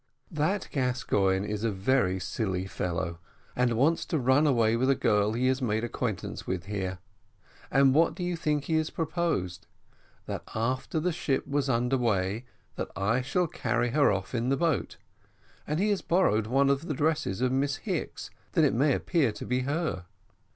"That Gascoigne is a very silly fellow, and wants to run away with a girl he has made acquaintance with here; and what do you think he has proposed? that after the ship was under way, I should carry her off in the boat; and he has borrowed one of the dresses of Miss Hicks, that it may appear to be her.